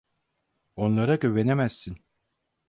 Onlara güvenemezsin.